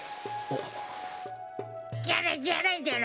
ジャラジャラジャラ！